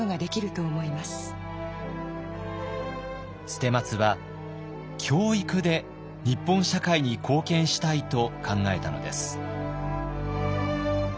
捨松は教育で日本社会に貢献したいと考えたのです。